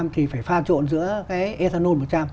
thì phải pha trộn giữa cái ethanol một trăm linh